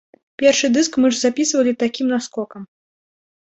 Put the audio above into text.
Першы дыск мы ж запісвалі такім наскокам.